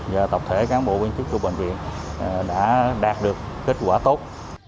giờ tập thể cán bộ viên chức trung bệnh viện đã đạt được kết quả tốt